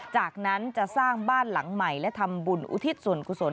จากนั้นจะสร้างบ้านหลังใหม่และทำบุญอุทิศส่วนกุศล